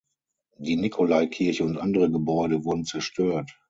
Die Nikolaikirche und andere Gebäude wurden zerstört.